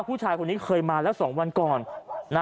ผู้ชายคนนี้เคยมาแล้ว๒วันก่อน